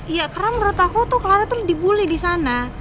iya karena menurut aku tuh clara tuh dibully disana